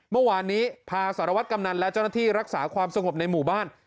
เมื่อวานนี้พาสารวัตรกำนันและเจ้าหน้าที่รักษาความสงบในหมู่บ้าน